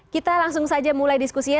kita langsung saja mulai diskusinya